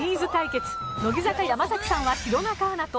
乃木坂山崎さんは弘中アナと。